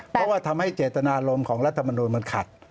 เพราะว่าทำให้เจตนารมณ์ของรัฐมนุนมันขัด